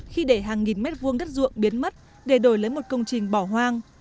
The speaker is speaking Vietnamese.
khi để hàng nghìn mét vuông đất ruộng biến mất để đổi lấy một công trình bỏ hoang